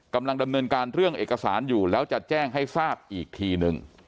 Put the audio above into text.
กำลังดำเนินการเรื่องเอกสารอยู่แล้วจะแจ้งให้ทราบอีกทีนึง